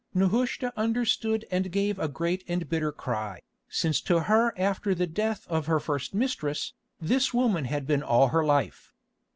Nehushta understood and gave a great and bitter cry, since to her after the death of her first mistress, this woman had been all her life.